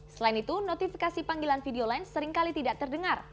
selain itu notifikasi panggilan video lain seringkali tidak terdengar